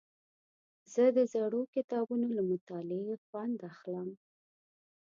زه د زړو کتابونو له مطالعې خوند اخلم.